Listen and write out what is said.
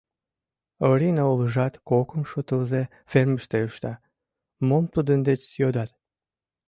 Орина улыжат кокымшо тылзе фермыште ышта, мом тудын деч йодат?